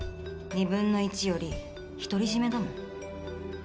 ２分の１より独り占めだもん。